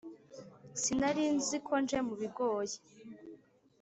sinarinziko nje mu bigoye